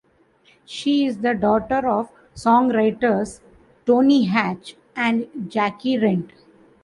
She is the daughter of songwriters Tony Hatch and Jackie Trent.